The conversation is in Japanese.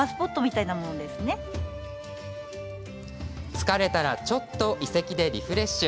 疲れたらちょっと遺跡でリフレッシュ。